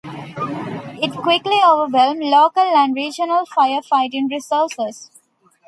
It quickly overwhelmed local and regional firefighting resources.